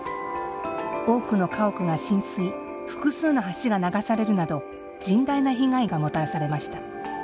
多くの家屋が浸水複数の橋が流されるなど甚大な被害がもたらされました。